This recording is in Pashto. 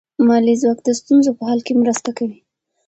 مالي ځواک د ستونزو په حل کې مرسته کوي.